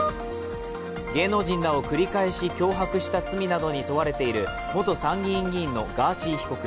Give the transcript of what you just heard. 芸能人らを繰り返し脅迫した罪などに問われている元参議院議員のガーシー被告。